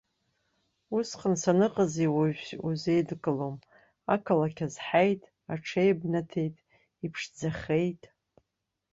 Усҟан саныҟази уажәи узеидкылом, ақалақь азҳаит, аҽеибнаҭеит, иԥшӡахеит.